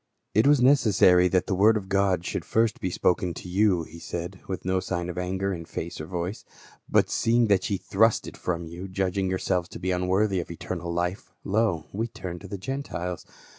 " It was necessary that the word of God should first be spoken to you," he said with no sign of anger in face or voice ; "but seeing that ye thrust it from you, judging yourselves to be unworthy of eternal life, lo, wc turn to the Gentiles.